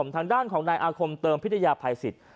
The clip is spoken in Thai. ทางด้านของนายอาคมเติมพิทยาภัยสิทธิ